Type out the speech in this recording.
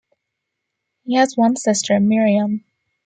He has one sister, Miriam.